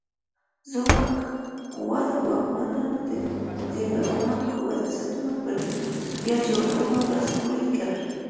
ځمکوالو واکمنانو د زبېښونکو بنسټونو پر بیا جوړولو لاس پورې کړ.